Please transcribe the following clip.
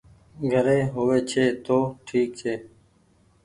گھري هووي ڇي تو ٺيڪ ڇي۔